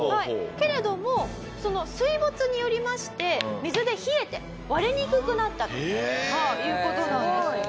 けれどもその水没によりまして水で冷えて割れにくくなったという事なんです。